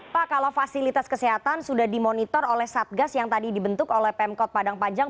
pak kalau fasilitas kesehatan sudah dimonitor oleh satgas yang tadi dibentuk oleh pemkot padang panjang